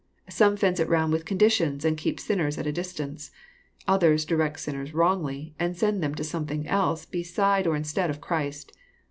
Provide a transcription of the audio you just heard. Some fence it round with conditions, and keep sinners at a distance. Others direct sinners wrongly, and send them to something else beside or instead of Christ.